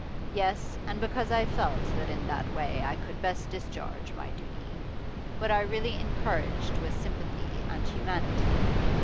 Yes, and because I felt that in that way I could best discharge my duty. What I really encouraged was sympathy and humanity.